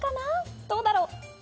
どうだろう？